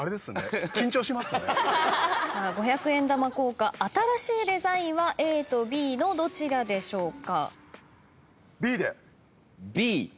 ５００円玉硬貨新しいデザインはＡとＢのどちらでしょうか？